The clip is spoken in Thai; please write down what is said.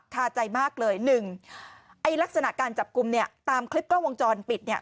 คาใจมากเลยหนึ่งไอ้ลักษณะการจับกลุ่มเนี่ยตามคลิปกล้องวงจรปิดเนี่ย